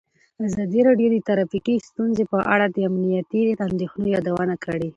ازادي راډیو د ټرافیکي ستونزې په اړه د امنیتي اندېښنو یادونه کړې.